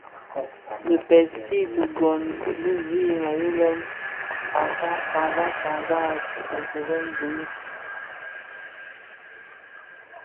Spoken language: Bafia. Dhi pezi dhigōn bi zi mě yilè yilen tyanzak tyañzak a djee a kilèn, bhui,